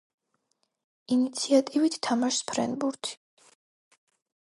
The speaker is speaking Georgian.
ინიციატივით თამაშს ფრენბუთი